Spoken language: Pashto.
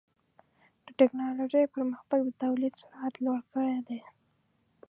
د ټکنالوجۍ پرمختګ د تولید سرعت لوړ کړی دی.